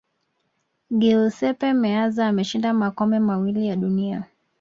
giuseppe meazza ameshinda makombe mawili ya dunia